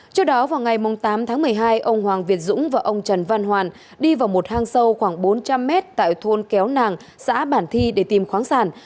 trước đó vào ngày tám tháng một mươi hai ông hoàng việt dũng và ông trần văn hoàn đi vào một hang sâu khoảng bốn trăm linh mét tại thôn kéo nàng xã bản thi để tìm khoáng sản